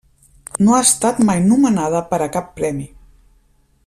No ha estat mai nomenada per a cap premi.